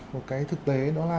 một cái thực tế đó là